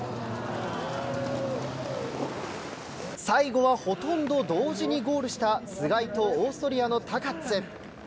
最後はほとんど同時にゴールした須貝とオーストリアのタカッツ。